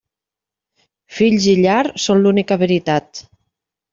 Fills i llar són l'única veritat.